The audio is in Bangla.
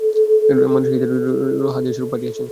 মনিব-ঈসের জন্যে তিনি এগুলো হাদিয়াস্বরূপ পাঠিয়েছেন।